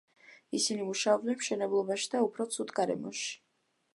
ისინი მუშაობენ მშენებლობაში და უფრო ცუდ გარემოში.